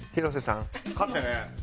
勝ってね。